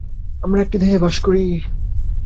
আমরা একটি দেহে বাস করি।